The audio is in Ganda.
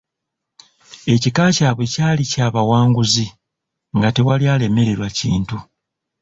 Ekika kyabwe kyali kya bawanguzi, nga tewali alemererwa kintu.